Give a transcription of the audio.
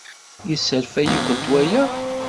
Yesserfay-ikent waya?